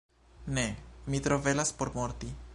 Ne! Mi tro belas por morti.